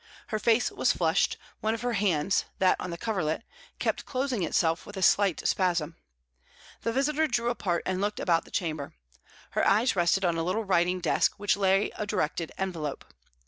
Her face was flushed; one of her hands, that on the coverlet, kept closing itself with a slight spasm. The visitor drew apart and looked about the chamber. Her eyes rested on a little writing desk, where lay a directed envelope.